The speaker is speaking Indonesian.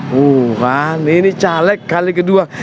wuh kan ini caleg kali kedua